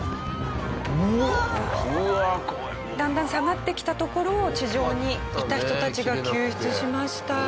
だんだん下がってきたところを地上にいた人たちが救出しました。